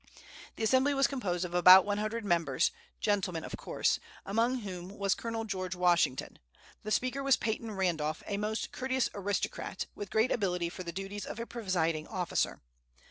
The Assembly was composed of about one hundred members, "gentlemen" of course, among whom was Colonel George Washington. The Speaker was Peyton Randolph, a most courteous aristocrat, with great ability for the duties of a presiding officer.